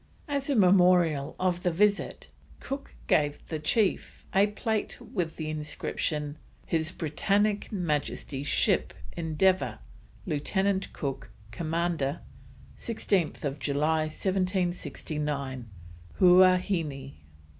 As a memorial of the visit, Cook gave the chief a plate with the inscription, "His Britannick Majesty's Ship, Endeavour, Lieutenant Cook, Commander, 16th July, 1769, Huaheine."